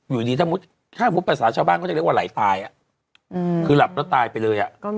อยู่ดีถ้ามุติภาษาชาวบ้านเขาจะเรียกว่าไหลตายคือหลับแล้วตายไปเลย